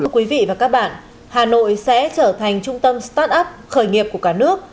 quý vị và các bạn hà nội sẽ trở thành trung tâm start up khởi nghiệp của cả nước